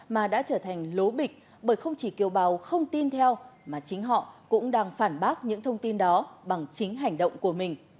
mà đã trở thành lố bịch bởi không chỉ kiều bào không tin theo mà chính họ cũng đang phản bác những thông tin đó bằng chính hành động của mình